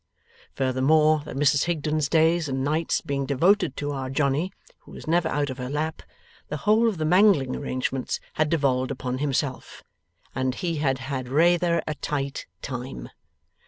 Furthermore, that Mrs Higden's days and nights being devoted to Our Johnny, who was never out of her lap, the whole of the mangling arrangements had devolved upon himself, and he had had 'rayther a tight time'.